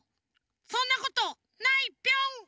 そんなことないピョン！